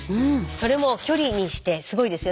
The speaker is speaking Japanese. それも距離にしてすごいですよ。